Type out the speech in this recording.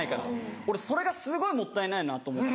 俺それがすごいもったいないなと思って。